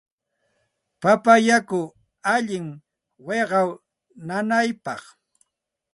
Papa yaku allinmi wiqaw nanaypaq.